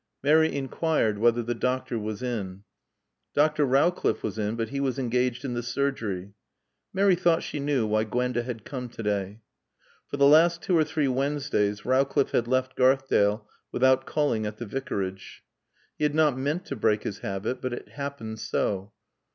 Mary inquired whether the doctor was in. Dr. Rowcliffe was in but he was engaged in the surgery. Mary thought she knew why Gwenda had come to day. For the last two or three Wednesdays Rowcliffe had left Garthdale without calling at the Vicarage. He had not meant to break his habit, but it happened so.